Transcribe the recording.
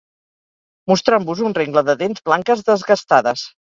mostrant-vos un rengle de dents blanques desgastades